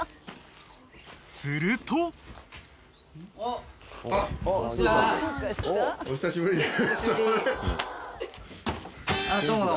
［すると］お久しぶりです。